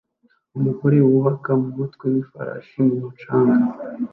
Umugore wubaka umutwe wifarashi mumucanga